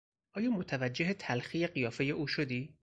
آیا متوجه تلخی قیافه او شدی؟